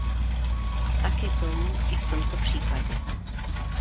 Tak je tomu i v tomto případě.